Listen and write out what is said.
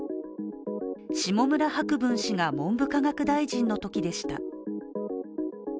下村博文氏が文部科学大臣のときでした。